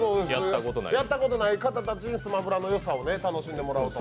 やったことない方たちに「スマブラ」の良さを楽しんでもらおうと。